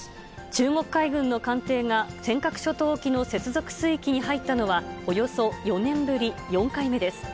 中国海軍の艦艇が尖閣諸島沖の接続水域に入ったのはおよそ４年ぶり、４回目です。